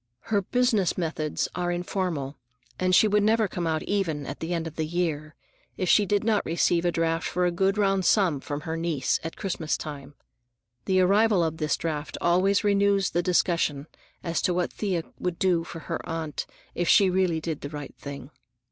Her business methods are informal, and she would never come out even at the end of the year, if she did not receive a draft for a good round sum from her niece at Christmas time. The arrival of this draft always renews the discussion as to what Thea would do for her aunt if she really did the right thing.